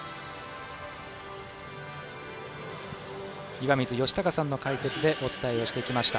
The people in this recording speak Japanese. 岩水嘉孝さんの解説でお伝えをしてきました。